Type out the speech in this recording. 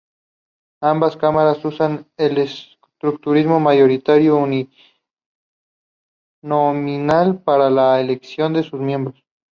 Ambas cámaras usan el escrutinio mayoritario uninominal para la elección de sus miembros.